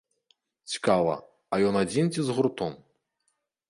Цікава, а ён адзін, ці з гуртом?